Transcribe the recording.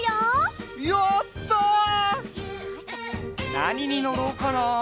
なににのろうかな？